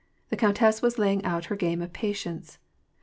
The countess was laying out her game of patience.